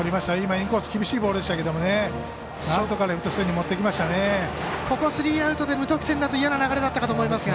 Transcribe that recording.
インコース厳しいボールでしたがヒット持っていきましたね。